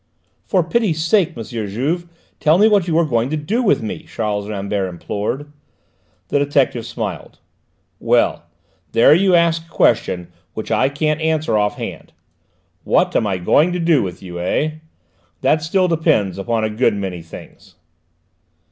"For pity's sake, M. Juve, tell me what you are going to do with me," Charles Rambert implored. The detective smiled. "Well, there you ask a question which I can't answer off hand. What am I going to do with you, eh? That still depends upon a good many things."